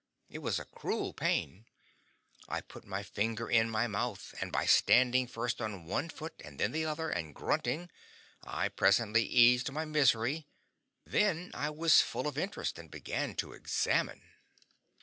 It was a cruel pain. I put my finger in my mouth; and by standing first on one foot and then the other, and grunting, I presently eased my misery; then I was full of interest, and began to examine.